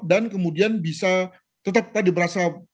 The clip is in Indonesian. dan kemudian bisa tetap tadi berasa